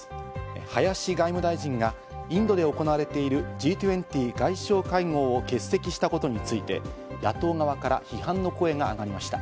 林外務大臣がインドで行われているＧ２０外相会合を欠席したことについて、野党側から批判の声が上がりました。